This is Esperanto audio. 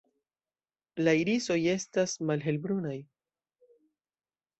La irisoj estas malhelbrunaj.